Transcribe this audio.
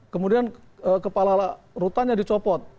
kemudian kepala rutanya dicopot